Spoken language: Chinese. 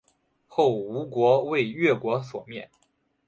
后吴国为越国所灭。